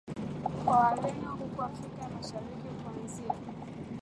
kwa Wareno huko Afrika ya Mashariki kuanzia